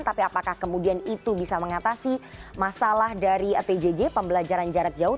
tapi apakah kemudian itu bisa mengatasi masalah dari pjj pembelajaran jarak jauh